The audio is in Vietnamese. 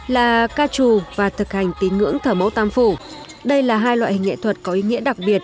là ca trù và thực hành tín ngưỡng thờ mẫu tam phủ đây là hai loại hình nghệ thuật có ý nghĩa đặc biệt